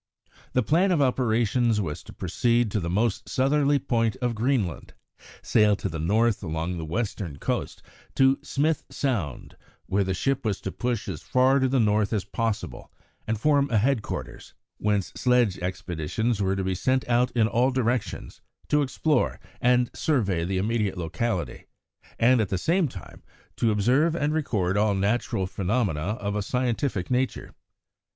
The plan of operations was to proceed to the most southerly point of Greenland, sail to the north along the western coast to Smith Sound, where the ship was to push as far to the north as possible and form a headquarters, whence sledge expeditions were to be sent out in all directions to explore and survey the immediate locality, and, at the same time, to observe and record all natural phenomena of a scientific nature.